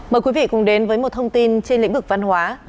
mời quý vị cùng đến với một thông tin trên lĩnh vực văn hóa